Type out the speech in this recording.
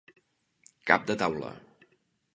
Cap de taula.